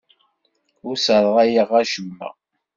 Ur sserɣayeɣ acemma.